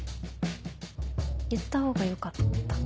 言った方がよかった？